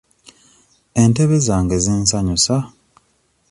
Entebe zange zinsanyusa.